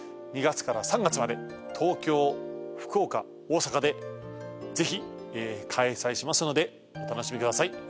２月から３月まで東京福岡大阪でぜひ開催しますのでお楽しみください